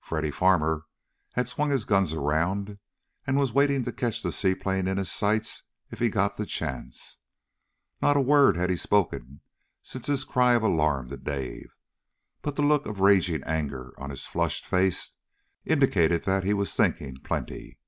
Freddy Farmer had swung his guns around, and was waiting to catch the seaplane in his sights if he got the chance. Not a word had he spoken since his cry of alarm to Dave, but the look of raging anger on his flushed face indicated that he was thinking plenty.